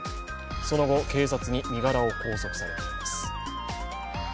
その後、警察に身柄を拘束されています。